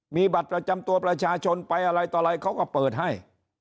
มีบัตรประจำตัวประชาชนไปอะไรต่ออะไรเขาก็เปิดให้